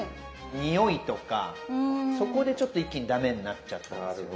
においとかそこでちょっと一気に駄目になっちゃったんですよね。